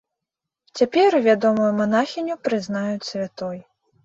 Цяпер вядомую манахіню прызнаюць святой.